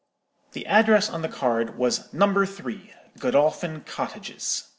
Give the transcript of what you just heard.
"The address on the card was, 'No. 3, Godolphin Cottages.'